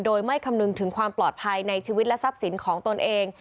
โดยไม่คำนึงถึงความปลอดภัยในชีวิตและทรัพย์สินของตนเอง